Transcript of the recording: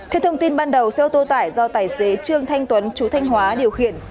theo thông tin ban đầu xe ô tô tải do tài xế trương thanh tuấn chú thanh hóa điều khiển